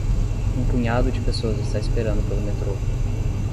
Um punhado de pessoas está esperando pelo metrô.